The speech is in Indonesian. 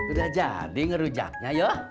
udah jadi ngerujaknya yuk